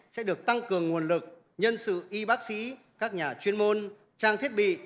sẽ được tăng cường nguồn lực nhân sự y bác sĩ các nhà chuyên môn trang thiết bị